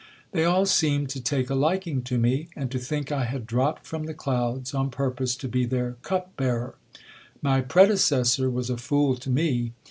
They all seemed to take a liking to me, and to think I had dropped from the clouds on purpose to be their cup bearer. My predecessor was a fool to me.